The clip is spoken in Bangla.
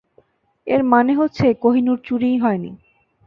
এর মানে হচ্ছে, কোহিনূর চুরিই হয় নি?